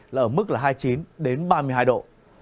là mức là hai mươi chín ba mươi hai độ